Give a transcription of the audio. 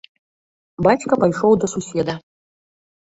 Бацька пайшоў да суседа.